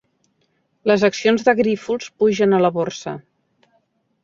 Les accions de Grífols pugen a la Borsa.